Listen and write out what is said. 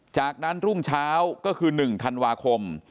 จากนั้นรุ่งเช้าก็คือ๑ธันวาคม